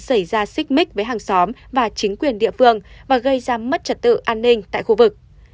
xảy ra xích mích với hàng xóm và chính quyền địa phương và gây ra mất trật tự an ninh tại khu vực